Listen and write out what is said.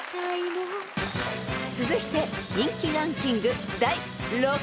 ［続いて人気ランキング第６位］